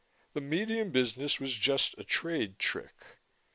The medium business was just a trade trick.